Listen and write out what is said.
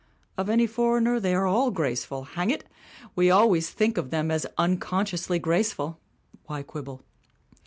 Of any foreigner they are all grace ful! Hang it! We always think of them as un consciously graceful. Why quibble?